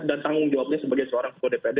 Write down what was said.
dan tanggung jawabnya sebagai seorang ketua dprd